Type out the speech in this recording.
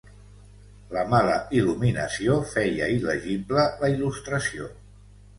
La mala il·luminació feia il·legible la il·lustració.